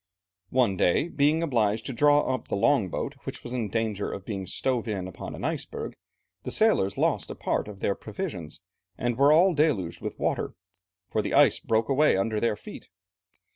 One day, being obliged to draw up the long boat, which was in danger of being stove in upon an iceberg, the sailors lost a part of their provisions and were all deluged with water, for the ice broke away under their feet.